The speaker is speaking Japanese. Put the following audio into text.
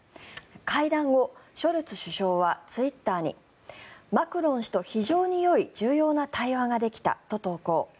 会談後、ショルツ首相はツイッターにマクロン氏と非常によい重要な対話ができたと投稿。